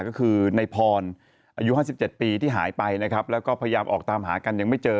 ก็คือในพรอายุ๕๗ปีที่หายไปนะครับแล้วก็พยายามออกตามหากันยังไม่เจอ